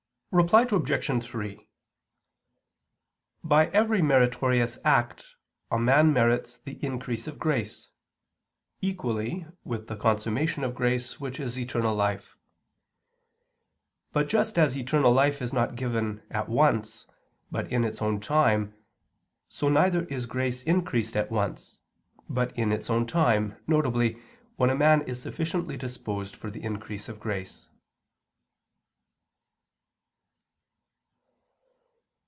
Reply Obj. 3: By every meritorious act a man merits the increase of grace, equally with the consummation of grace which is eternal life. But just as eternal life is not given at once, but in its own time, so neither is grace increased at once, but in its own time, viz. when a man is sufficiently disposed for the increase of grace.